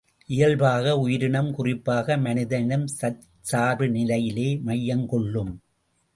இயல்பாக உயிரினம் குறிப்பாக மனித இனம் தற்சார்பு நிலையிலே மையம் கொள்ளும்.